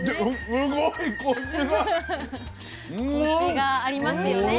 コシがありますよねえ。